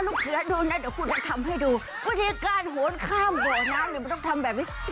เดี๋ยวคุณจะทำให้ดูวิธีการโหลดข้ามเกราะน้ำไม่ต้องทำแบบนี้